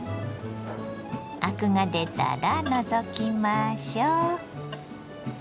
アクが出たら除きましょ。